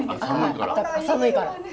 寒いから。